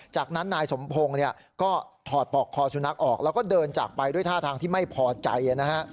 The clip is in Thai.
จากนั้นนายสมพงศ์เนี่ยก็ถอดปอกคอสุนัขออกแล้วก็เดินจากไปด้วยท่าทางที่ไม่พอใจนะฮะ